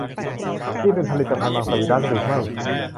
นี่เป็นผลิตภัณฑ์มังสวิรัติหรือไม่ ?